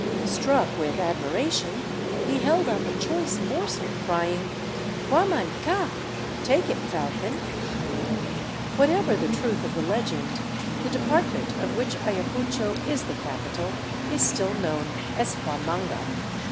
Struck with admiration, he held up a choice morsel crying, '' Huaman ca !— Take it, falcon !'* Whatever the truth of the legend, the depart ment of which Ayacucho is the capital is still known as Huamanga.